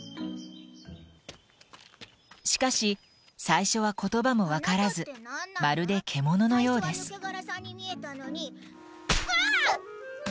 しかし最初は言葉も分からずまるで獣のようです。わあっ！